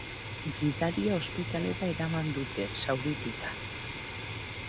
Gidaria ospitalera eraman dute, zaurituta.